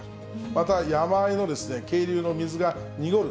また山あいの渓流の水が濁る。